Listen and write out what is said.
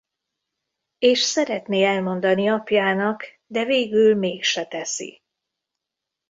És szeretné elmondani apjának de végül mégse teszi.